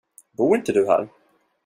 Bor du inte här?